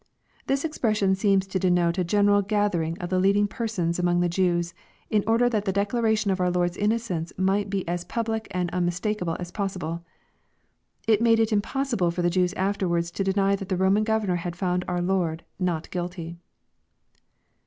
] This expression seems to denoce a general gathering of the leading persons among the Jews, in or der that the declaration of our Lord's innocence might be as pub^ lie and unmistakeable as possible. It made it impossible for the Jews afterwards to deny that the Roman governor found our Lord " not guilty."